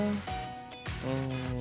うん。